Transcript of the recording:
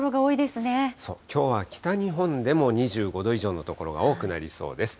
きょうは北日本でも２５度以上の所が多くなりそうです。